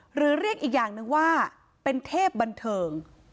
หรือเรียกอีกอย่างหนึ่งว่าเป็นเทพบันเทิง